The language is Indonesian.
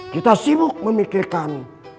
kita sibuk memikirkan